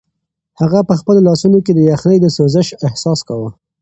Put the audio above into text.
هغه په خپلو لاسو کې د یخنۍ د سوزش احساس کاوه.